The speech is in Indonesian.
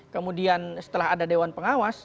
kemudian setelah ada dewan pengawas